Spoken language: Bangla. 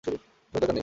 এসবের দরকার নেই।